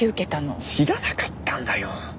知らなかったんだよ！